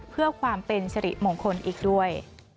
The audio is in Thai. เพื่อความเป็นสิริมงคลอีกด้วย